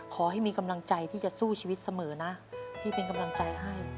ขอให้มีกำลังใจที่จะสู้ชีวิตเสมอนะพี่เป็นกำลังใจให้